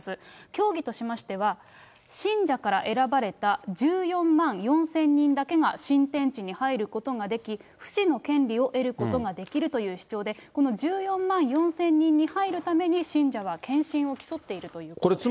教義としましては、信者から選ばれた１４万４０００人だけが新天地に入ることができ、不死の権利を得ることができるという主張で、この１４万４０００人に入るために、信者は献身を競っているということです。